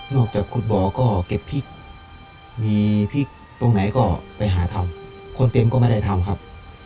จากขุดบ่อก็เก็บพริกมีพริกตรงไหนก็ไปหาทำคนเต็มก็ไม่ได้ทำครับ